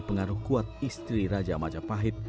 pengaruh kuat istri raja majapahit